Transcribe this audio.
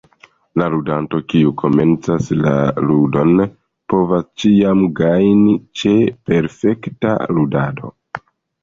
La ludanto, kiu komencas la ludon povas ĉiam gajni ĉe perfekta ludado.